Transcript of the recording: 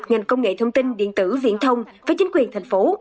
ngành công nghệ thông tin điện tử viễn thông với chính quyền thành phố